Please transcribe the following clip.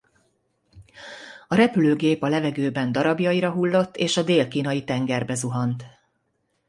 A repülőgép a levegőben darabjaira hullott és a Dél-kínai-tengerbe zuhant.